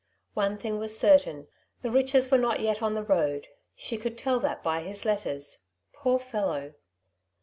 One thing was certain, the riches were not yet on the road ; she could tell that by his letters, poor fellow